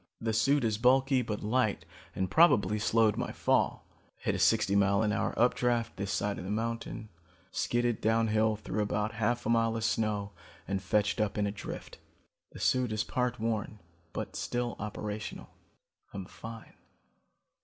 The suit is bulky but light and probably slowed my fall. I hit a sixty mile an hour updraft this side of the mountain, skidded downhill through about half a mile of snow and fetched up in a drift. The suit is part worn but still operational. I'm fine.